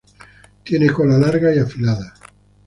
Tiene cola larga y afilada.